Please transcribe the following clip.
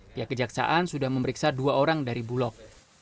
pihak kejaksaan sudah memeriksa dua orang dari bulog